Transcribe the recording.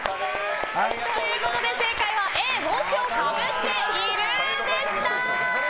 ということで正解はＡ、帽子をかぶっているでした。